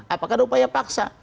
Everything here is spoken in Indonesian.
apakah ada upaya paksa